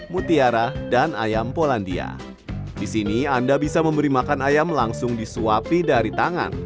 mutiara dan ayam polandia disini anda bisa memberi makan ayam langsung disuapi dari tangan